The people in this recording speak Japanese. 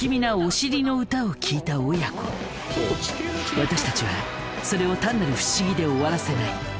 私たちはそれを単なる不思議で終わらせない。